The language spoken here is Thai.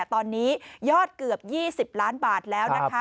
ตอนนี้ยอดเกือบ๒๐ล้านบาทแล้วนะคะ